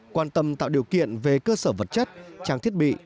quan tâm tạo điều kiện về cơ sở vật chất trang thiết bị